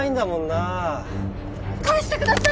あ返してください